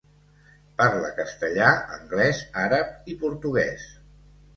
Parla castellà, anglès, àrab, i portuguès.